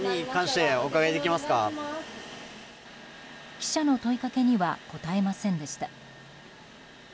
記者の問いかけには答えませんでした。